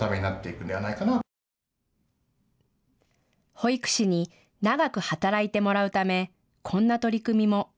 保育士に長く働いてもらうためこんな取り組みも。